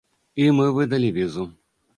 І мы выдалі візу.